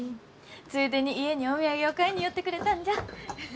ついでに家にお土産を買いに寄ってくれたんじゃ。